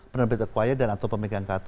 penerbit akuaia dan atau pemegang kartu